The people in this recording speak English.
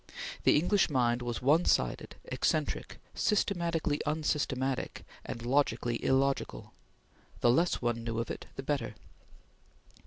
The English mind was one sided, eccentric, systematically unsystematic, and logically illogical. The less one knew of it, the better.